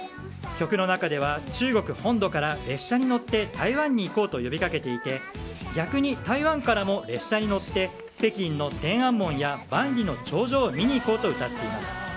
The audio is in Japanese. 曲の中では中国本土から列車に乗って台湾に行こうと呼びかけていて逆に台湾からも列車に乗って北京の天安門や万里の長城を見に行こうと歌っています。